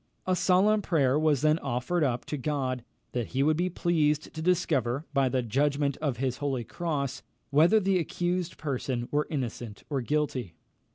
A solemn prayer was then offered up to God, that he would be pleased to discover, by the judgment of his holy cross, whether the accused person were innocent or guilty.